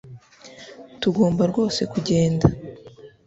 Tugomba rwose kugenda